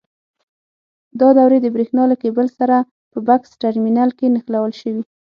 دا دورې د برېښنا له کېبل سره په بکس ټرمینل کې نښلول شوي.